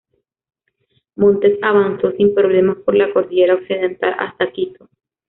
Montes avanzó sin problemas por la cordillera Occidental hasta Quito.